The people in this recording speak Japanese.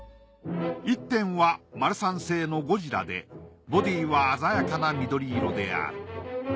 １点はマルサン製のゴジラでボディーは鮮やかな緑色である。